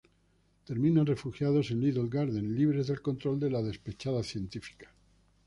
Terminan refugiados en Little Garden, libres del control de la despechada científica.